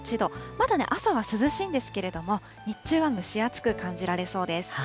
まだ朝は涼しいんですけれども、日中は蒸し暑く感じられそうです。